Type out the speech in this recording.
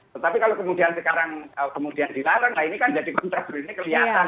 tetapi kalau kemudian dilarang ini kan jadi kontras berbeda kelihatan